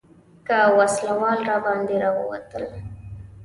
که وسله وال راباندې راووتل.